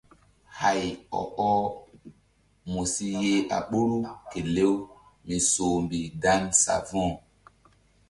Hay ɔ-ɔh mu si yeh a ɓoru kelew mi soh mbih dan savo̧h.